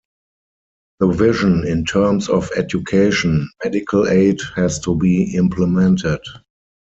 The vision in terms of education, medical aid has to be implemented.